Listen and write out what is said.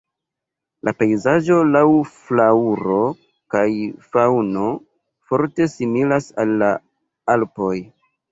La pejzaĝo laŭ flaŭro kaj faŭno forte similas al la Alpoj.